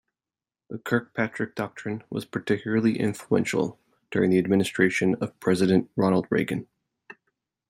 The Kirkpatrick Doctrine was particularly influential during the administration of President Ronald Reagan.